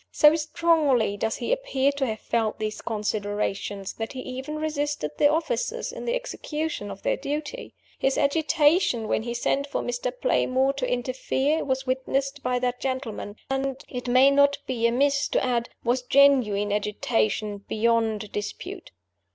So strongly does he appear to have felt these considerations, that he even resisted the officers in the execution of their duty. His agitation when he sent for Mr. Playmore to interfere was witnessed by that gentleman, and (it may not be amiss to add) was genuine agitation beyond dispute.